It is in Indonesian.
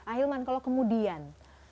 ahilman kalau kemudian